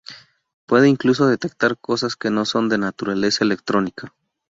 Puede incluso detectar cosas que no son de naturaleza electrónica.